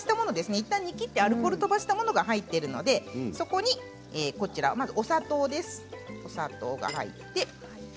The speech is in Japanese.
いったん煮きってアルコールを飛ばしたものが入っているのでそこにお砂糖などを入れていく。